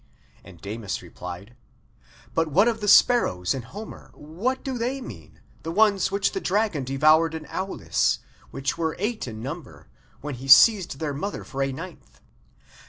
And Damis replied: "But what of the sparrows in Homer, what do they mean, the ones which the dragon devoured in Aulis, which were eight in number, when he seized their mother for a ninth?